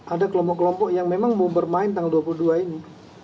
ada kelompok kelompok yang memang mau bermain tanggal dua puluh dua ini